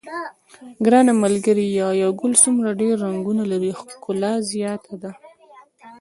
ګرانه ملګریه یو ګل څومره ډېر رنګونه لري ښکلا زیاته ده.